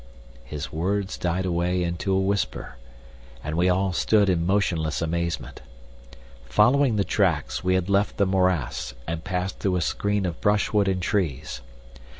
His words died away into a whisper, and we all stood in motionless amazement. Following the tracks, we had left the morass and passed through a screen of brushwood and trees.